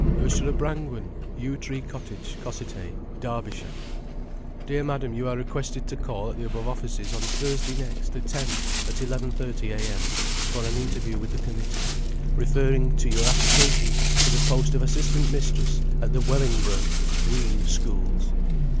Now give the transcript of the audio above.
"Ursula Brangwen, Yew Tree Cottage, Cossethay, Derbyshire. "Dear Madam, You are requested to call at the above offices on Thursday next, the 10th, at 11.30 a.m., for an interview with the committee, referring to your application for the post of assistant mistress at the Wellingborough Green Schools."